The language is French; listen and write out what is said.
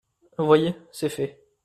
Voyez, c'est fait.